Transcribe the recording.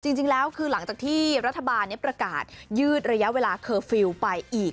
จริงแล้วคือหลังจากที่รัฐบาลประกาศยืดระยะเวลาเคอร์ฟิลล์ไปอีก